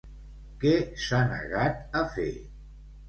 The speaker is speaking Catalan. Què s'ha negat a fer?